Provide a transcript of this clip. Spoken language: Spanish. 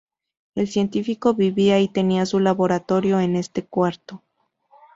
El científico vivía y tenía su laboratorio en este cuarto.